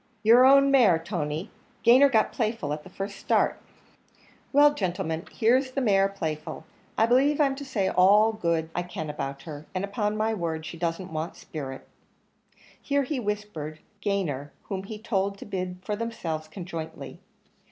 "Your own mare, Tony; Gayner got Playful at the first start." "Well, gentlemen, here's the mare Playful. I believe I'm to say all the good I can about her, and upon my word she doesn't want spirit." Here he whispered Gayner, whom he told to bid for themselves conjointly.